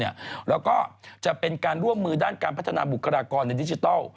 แล้วก็จะเป็นการร่วมมือด้านการพัฒนาบุคลากรในดิจิทัล